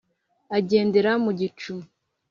agendera mu gicu